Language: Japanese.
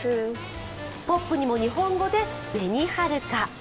ポップにも日本語で、紅はるか。